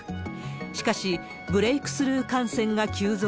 しかし、ブレークスルー感染が急増。